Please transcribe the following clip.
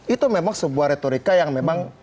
itu memang sebuah retorika yang memang